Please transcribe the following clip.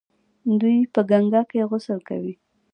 دوی په ګنګا کې غسل کوي.